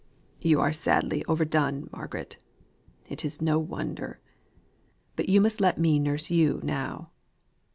"You are sadly overdone, Margaret. It is no wonder. But you must let me nurse you now."